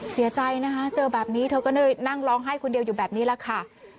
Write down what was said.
เสียใจนะคะเจอแบบนี้เธอก็เลยนั่งร้องไห้คนเดียวอยู่แบบนี้แหละค่ะ